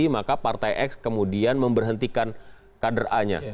maka partai x kemudian memberhentikan kader a nya